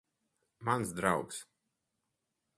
Mans draugs.